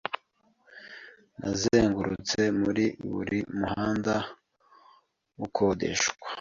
Nazengurutse muri buri muhanda ukodeshwa